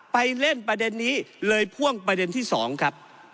ไปเล่นประเด็นนี้เลยพ่วงประเด็นที่๒ครับ